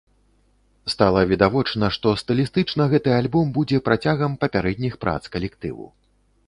Стала відавочна, што стылістычна гэты альбом будзе працягам папярэдніх прац калектыву.